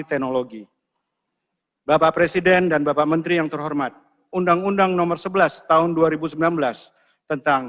teknologi bapak presiden dan bapak menteri yang terhormat undang undang nomor sebelas tahun dua ribu sembilan belas tentang